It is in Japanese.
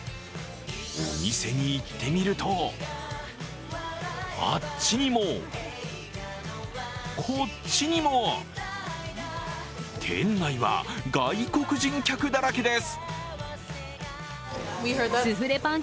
お店に行ってみると、あっちにもこっちにも店内は外国人客だらけです。